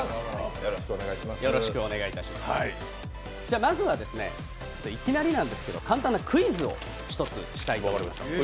まずはいきなりなんですけど、簡単なクイズをしたいと思います。